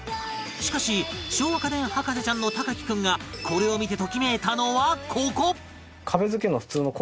しかし昭和家電博士ちゃんの隆貴君がこれを見てときめいたのはここ